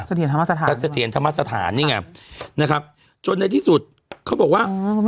เศรษฐานเศรษฐานทำมาร์ทสถานนี่ไงนะครับจนในที่สุดเขาบอกว่า